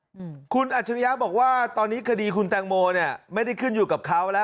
อเจมส์อัศตรียะบอกว่าตอนนี้คดีคุณแตงโบไม่ได้ขึ้นอยู่กับเขาแล้ว